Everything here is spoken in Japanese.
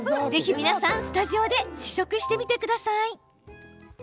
スタジオで試食してみてください。